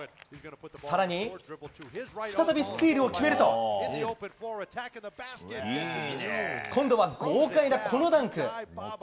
更に、再びスチールを決めると今度は豪快なダンク！